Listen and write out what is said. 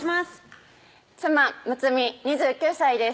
妻・睦美２９歳です